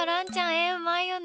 絵うまいよね。